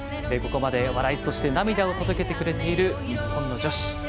ここまで笑い、涙を届けてくれている日本の女子。